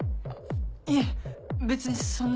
いえ別にそんな。